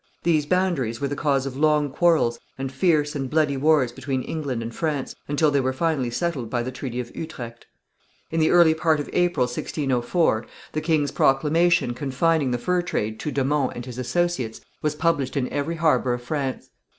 These boundaries were the cause of long quarrels and fierce and bloody wars between England and France until they were finally settled by the Treaty of Utrecht. In the early part of April, 1604, the king's proclamation confining the fur trade to de Monts and his associates was published in every harbour of France.